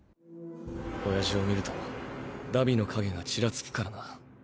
オヤジを見ると荼毘の影がチラつくからな。